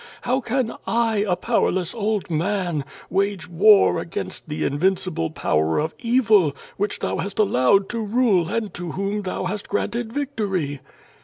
How can I, a powerless old man, wage war against the invincible power of evil, which Thou hast allowed to rule and to whom Thou hast granted victory."